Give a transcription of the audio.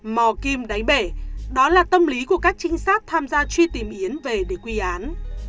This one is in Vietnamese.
mò kim đáy bể đó là tâm lý của các trinh sát tham gia truy tìm yến về để quy án